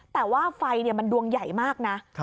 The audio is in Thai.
แต่ว่าไฟมันดวงใหญ่มากนะ